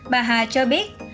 bà hà cho biết